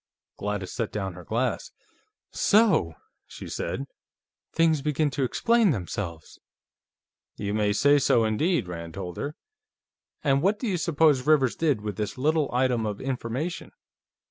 Gladys set down her glass. "So!" she said. "Things begin to explain themselves!" "You may say so, indeed," Rand told her. "And what do you suppose Rivers did with this little item of information?